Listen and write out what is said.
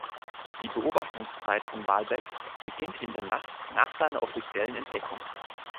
Die Beobachtungszeit von „Walbeck“ beginnt in der Nacht nach seiner offiziellen Entdeckung.